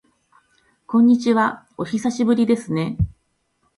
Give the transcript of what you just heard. こんにちは、お久しぶりですね。